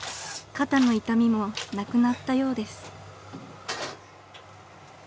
［肩の痛みもなくなったようです］